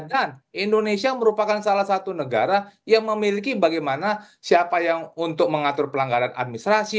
dan indonesia merupakan salah satu negara yang memiliki bagaimana siapa yang untuk mengatur pelanggaran administrasi